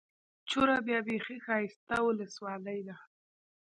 چوره بيا بېخي ښايسته اولسوالي ده.